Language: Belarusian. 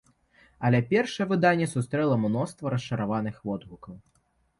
Але першае выданне сустрэла мноства расчараваных водгукаў.